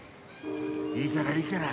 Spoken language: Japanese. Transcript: いいからいいから。